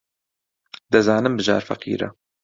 دەزانم بژار فەقیرە.